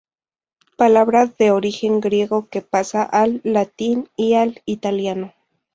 Palabra de origen griego que pasa al latín y al italiano.